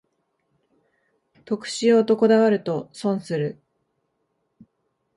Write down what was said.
得しようとこだわると損する